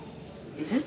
えっ？